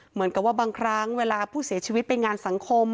เหมือนกับว่าบางครั้งเวลาผู้เสียชีวิตไปงานสังคม